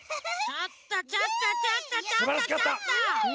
ちょっとちょっとちょっとちょっとちょっと！